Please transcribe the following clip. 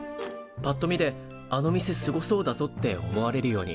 ぱっと見であの店すごそうだぞって思われるように。